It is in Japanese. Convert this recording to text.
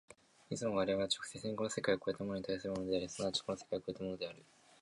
いつも我々は直接にこの世界を越えたものに対するものであり、即ちこの世界を越えたものである。